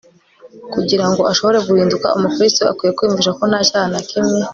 kugira ngo ashobore guhinduka. umukirisitu akwiye kwiyumvisha ko nta cyaha na kimwe